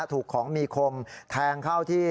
ถูกของมีคมแทงเข้าที่